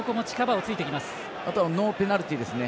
あとはノーペナルティですね。